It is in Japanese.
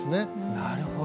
なるほど。